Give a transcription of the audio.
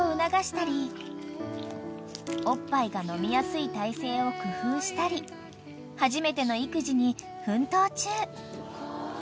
［おっぱいが飲みやすい体勢を工夫したり初めての育児に奮闘中］